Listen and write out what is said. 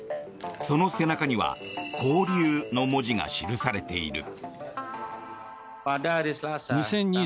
その背中には勾留の文字が記されている。